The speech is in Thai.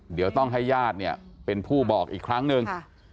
เดี๋ยวต้องให้ญาติเนี่ยเป็นผู้บอกอีกครั้งหนึ่ง